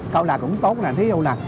câu nào cũng tốt là